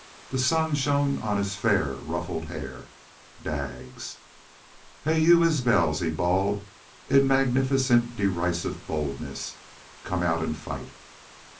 The sun shone on his fair, ruffled hair. Daggs! "Hey, you Isbels!" he bawled, in magnificent derisive boldness. "Come out an' fight!"